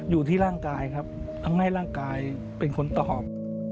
อยู่ที่ร่างกายครับทำให้ร่างกายเป็นคนตอบ